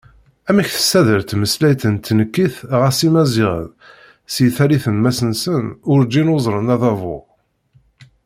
Amek tessader tmeslayt d tnekkit ɣas Imaziɣen, si tallit n Masnsen, urǧin uzren adabu!